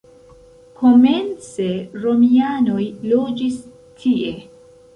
Komence romianoj loĝis tie.